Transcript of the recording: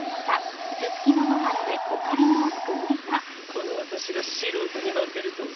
このワタシが素人に負けるとは。